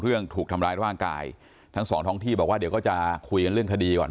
ถูกทำร้ายร่างกายทั้งสองท้องที่บอกว่าเดี๋ยวก็จะคุยกันเรื่องคดีก่อน